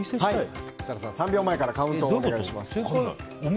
３秒前からカウントをお願いします。